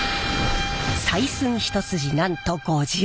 採寸一筋なんと５０年！